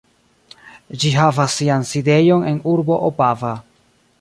Ĝi havas sian sidejon en urbo Opava.